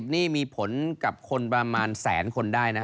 นี่มีผลกับคนประมาณแสนคนได้นะ